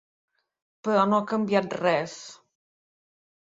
Però no ha canviat res.